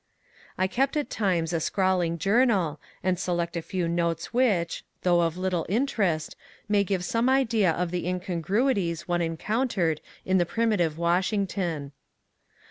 I kept at times a scrawling journal, and select a few notes which, though of little interest, may give some idea of the incongruities one encountered in the primitive Washington.